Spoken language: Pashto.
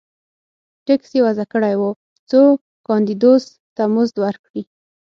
ټکس یې وضعه کړی و څو کاندیدوس ته مزد ورکړي